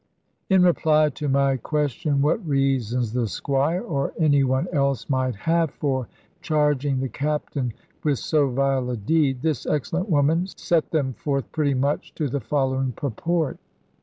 In reply to my question what reasons the Squire, or any one else, might have for charging the Captain with so vile a deed, this excellent woman set them forth pretty much to the following purport.